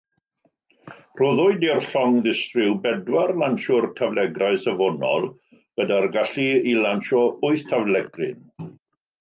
Rhoddwyd i'r llong ddistryw bedwar lansiwr taflegrau Safonol, gyda'r gallu i lansio wyth taflegryn.